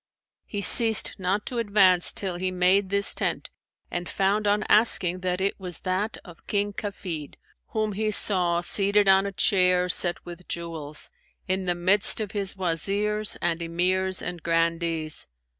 He ceased not to advance till he made this tent and found on asking that it was that of King Kafid, whom he saw seated on a chair set with jewels, in the midst of his Wazirs and Emirs and Grandees.